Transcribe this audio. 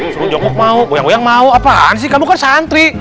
suruh joko mau goyang goyang mau apaan sih kamu kan santri